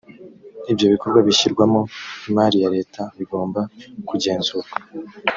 ibyo bikorwa bishyirwamo imari ya leta bigomba kugenzurwa